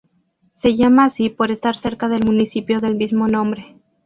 Se llama así por estar cerca del municipio del mismo nombre.